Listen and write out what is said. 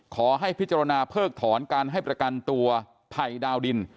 ขอให้พิจารณาเพิกถอนการให้ประกันตัวไผ่ดาวดิน